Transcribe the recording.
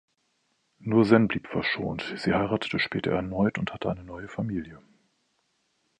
Nur Sen blieb verschont. Sie heiratete später erneut und hatte eine neue Familie.